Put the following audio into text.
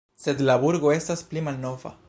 Sed la burgo estas pli malnova.